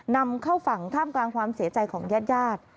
นำเข้าฝั่งท่ามกลางความเสียใจของญาติญาติ